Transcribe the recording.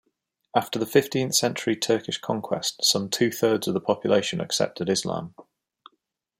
After the fifteenth-century Turkish conquest, some two thirds of the population accepted Islam.